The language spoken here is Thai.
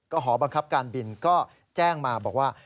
หอบังคับการบินก็แจ้งมาบอกว่า